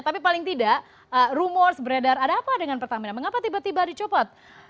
tapi paling tidak rumors beredar ada apa dengan pertamina mengapa tiba tiba dicopot